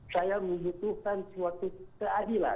saya membutuhkan suatu keadilan